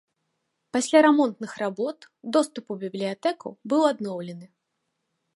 Пасля рамонтных работ доступ у бібліятэку быў адноўлены.